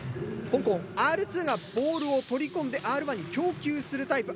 香港Ｒ２がボールを取り込んでＲ１に供給するタイプ。